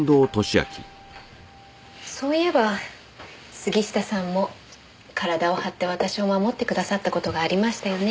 そういえば杉下さんも体を張って私を守ってくださった事がありましたよね。